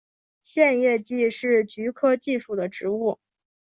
线叶蓟是菊科蓟属的植物。